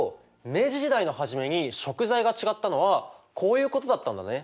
明治時代の初めに食材が違ったのはこういうことだったんだね。